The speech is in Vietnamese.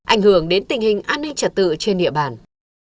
ảnh hưởng đến tình hình an ninh trật tự trên địa bàn